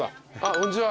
こんにちは